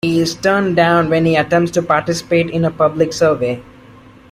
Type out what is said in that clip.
He is turned down when he attempts to participate in a public survey.